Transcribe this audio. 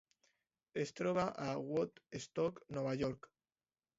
Es troba a Woodstock, Nova York.